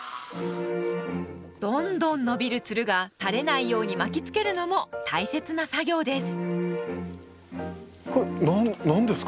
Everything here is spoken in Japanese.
どんどん伸びるツルが垂れないように巻きつけるのも大切な作業です。